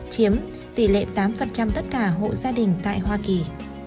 chiếm tỷ lệ tám tất cả hộ gia đình tại hoa kỳ